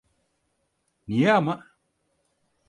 Niye ama?